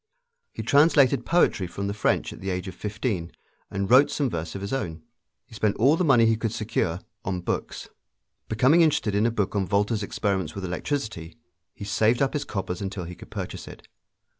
He translated poetry from the French at the age of fifteen, and wrote some verse of his own. He spent all the money he could secure on books. Becoming interested in a book on Volta's experiments with electricity, he saved up his coppers until he could purchase it.